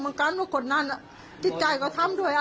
มันมีแม่ด้วยมันมีแม่ด้วย